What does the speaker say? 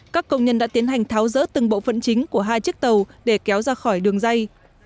các công nhân đã tiến hành tháo rỡ từng bộ phận chính của hai chiếc tàu để kéo ra khỏi đường dây